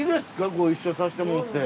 ご一緒させてもろうて。